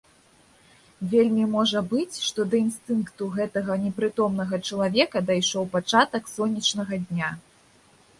Вельмі можа быць, што да інстынкту гэтага непрытомнага чалавека дайшоў пачатак сонечнага дня.